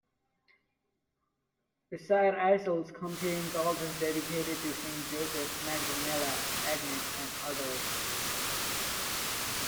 The side aisles contain altars dedicated to Saint Joseph, Magdalena, Agnes and others.